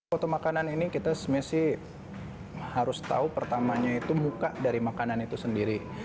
foto makanan ini kita mesti harus tahu pertamanya itu muka dari makanan itu sendiri